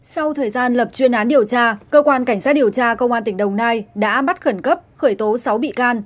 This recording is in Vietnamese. sau thời gian lập chuyên án điều tra cơ quan cảnh sát điều tra công an tỉnh đồng nai đã bắt khẩn cấp khởi tố sáu bị can